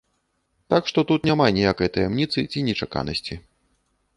Так што тут няма ніякай таямніцы ці нечаканасці.